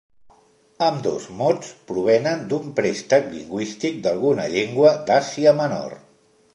Ambdós mots provenen d'un préstec lingüístic d'alguna llengua d'Àsia Menor.